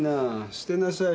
捨てなさい。